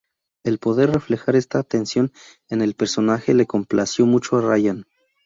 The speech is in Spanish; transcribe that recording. El poder reflejar esta tensión en el personaje le complació mucho a Ryan.